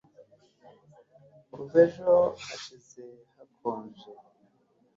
Kuva ejo hashize hakonje